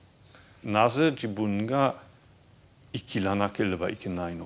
なぜ自分が生きらなければいけないのかと。